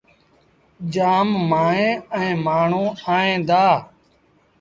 جآم مائيٚݩ ائيٚݩ مآڻهوٚݩ ائيٚݩ دآ۔